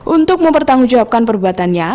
untuk mempertanggungjawabkan perbuatannya